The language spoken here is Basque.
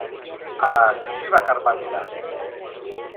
Ala krisi bakar bat dira?